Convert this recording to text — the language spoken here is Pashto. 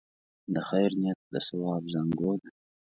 د خیر نیت د ثواب زانګو ده.